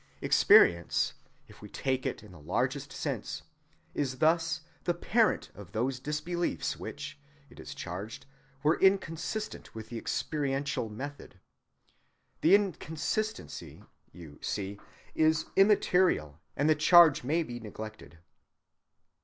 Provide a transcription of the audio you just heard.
Experience, if we take it in the largest sense, is thus the parent of those disbeliefs which, it was charged, were inconsistent with the experiential method. The inconsistency, you see, is immaterial, and the charge may be neglected.